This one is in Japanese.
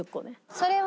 それは。